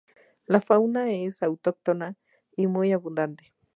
La fauna es autóctona y muy abundante.